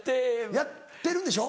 やってるんでしょ？